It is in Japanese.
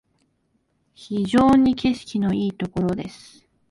非常に景色のいいところです